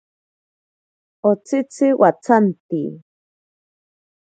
Otsitzi watsanti.